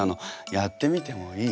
やってみてもいい？